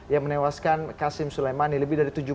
yang menewaskan qasim soleimani lebih dari